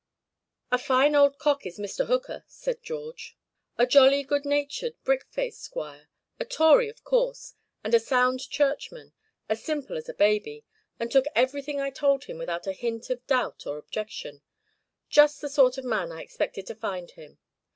"A fine old cock is Mr. Hooker!" said Greorge; "a jolly, good natured, brick faced squire; a tory of course, and a sound church man; as simple as a baby, and took everything I told him without a hint of doubt or objection; just the sort of man I expected to find him!